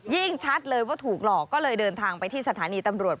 ชัดเลยว่าถูกหลอกก็เลยเดินทางไปที่สถานีตำรวจ